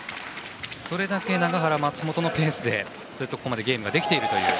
それだけ永原、松本のペースでここまでゲームができているという。